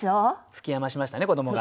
吹き余しましたね子どもが。